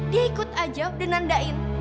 dia ikut aja udah nandain